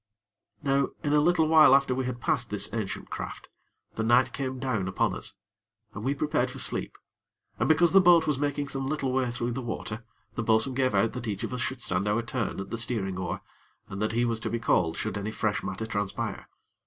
Now, in a little while after we had passed this ancient craft, the night came down upon us, and we prepared for sleep, and because the boat was making some little way through the water, the bo'sun gave out that each of us should stand our turn at the steering oar, and that he was to be called should any fresh matter transpire.